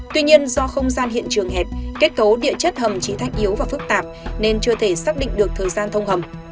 tuy nhiên do không gian hiện trường hẹp kết cấu địa chất hầm chỉ thách yếu và phức tạp nên chưa thể xác định được thời gian thông hầm